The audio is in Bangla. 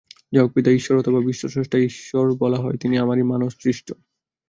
যাঁহাকে পিতা ঈশ্বর অথবা বিশ্বস্রষ্টা ঈশ্বর বলা হয়, তিনি আমারই মানস-সৃষ্ট।